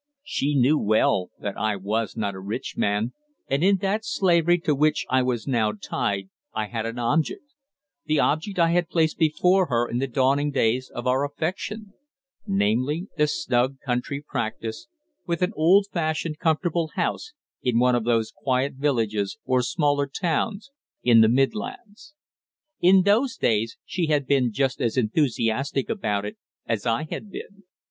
She knew well that I was not a rich man, and in that slavery to which I was now tied I had an object the object I had placed before her in the dawning days of our affection namely, the snug country practice with an old fashioned comfortable house in one of the quiet villages or smaller towns in the Midlands. In those days she had been just as enthusiastic about it as I had been.